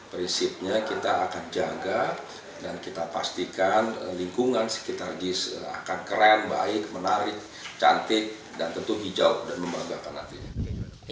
prinsipnya kita akan jaga dan kita pastikan lingkungan sekitar jis akan keren baik menarik cantik dan tentu hijau dan membanggakan nantinya